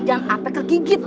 jangan ape kegigit